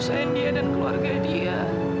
saya dia dan keluarga dia